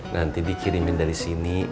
nanti dikirimin dari sini